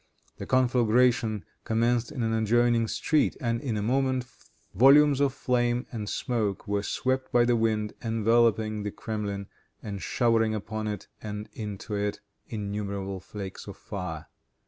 The conflagration commenced in an adjoining street, and, in a moment, volumes of flame and smoke were swept by the wind, enveloping the Kremlin, and showering upon it and into it, innumerable flakes of fire.